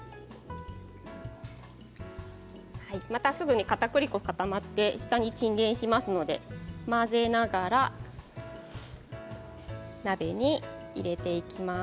またすぐかたくり粉が固まって下に沈殿しますので混ぜながら鍋に入れていきます。